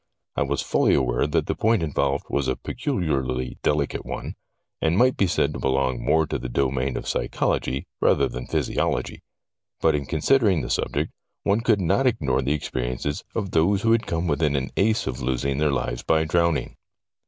I was fully aware that the point involved was a peculiarly delicate one, and might be said to belong more to the domain of psychology rather than physiology. But in considering the subject one could not ignore the ex periences of those who had come within an ace of losing their lives by drowning.